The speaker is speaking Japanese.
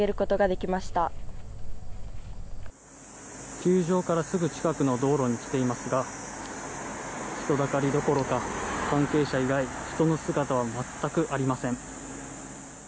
球場からすぐ近くの道路に来ていますが人だかりどころか関係者以外人の姿は全くありません。